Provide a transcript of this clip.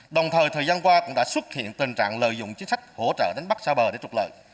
đồng thời thời gian qua cũng đã xuất hiện tình trạng lợi dụng chính sách hỗ trợ đến bắc sa bờ để trục lợi